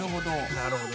なるほどね。